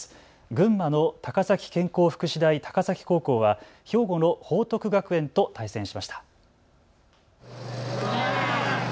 群馬の高崎健康福祉大高崎高校は兵庫の報徳学園と対戦しました。